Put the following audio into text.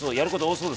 そうです。